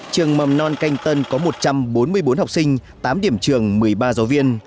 trường mầm non canh tân có một trăm bốn mươi bốn học sinh tám điểm trường một mươi ba giáo viên